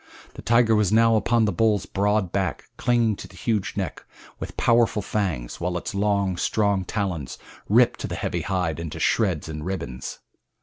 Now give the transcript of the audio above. The tiger was now upon the bull's broad back, clinging to the huge neck with powerful fangs while its long, strong talons ripped the heavy hide into shreds and ribbons.